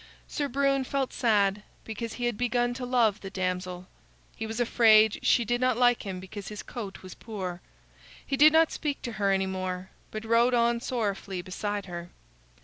Sir Brune felt sad, because he had begun to love the damsel. He was afraid she did not like him because his coat was poor. He did not speak to her any more, but rode on sorrowfully beside her.